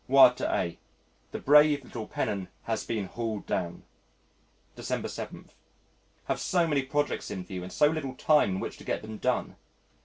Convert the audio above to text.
Wired to A , "The brave little pennon has been hauled down." December 7. Have so many projects in view and so little time in which to get them done!